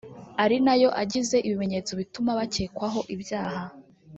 ari nayo agize ibimenyetso bituma bakekwaho ibyaha